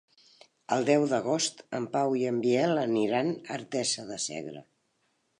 El deu d'agost en Pau i en Biel aniran a Artesa de Segre.